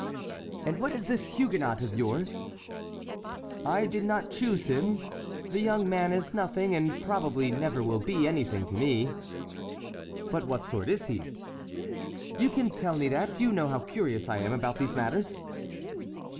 "And what is this Huguenot of yours?" "I did not choose him. The young man is nothing and probably never will be anything to me." "But what sort is he? You can tell me that; you know how curious I am about these matters."